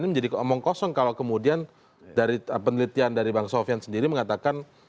ini menjadi omong kosong kalau kemudian dari penelitian dari bang sofian sendiri mengatakan